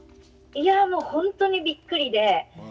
いやぁもうほんとにびっくりで。